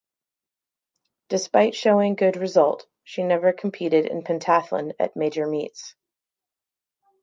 Despite showing good result she never competed in pentathlon at major meets.